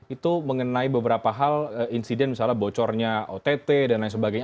itu mengenai beberapa hal insiden misalnya bocornya ott dan lain sebagainya